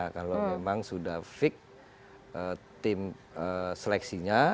kalau memang sudah fix tim seleksinya